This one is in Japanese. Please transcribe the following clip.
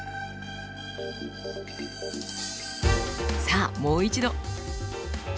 さあもう一度。